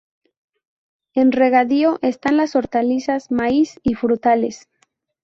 En regadío están las hortalizas, maíz y frutales.